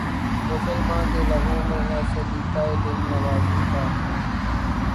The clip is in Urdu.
مسلماں کے لہو میں ہے سلیقہ دل نوازی کا